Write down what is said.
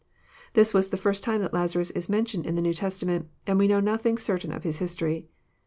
This is the first time that Lazaras is mentioned in the New Testament, and we know nothing certain of his history.